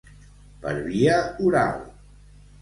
Per via oral.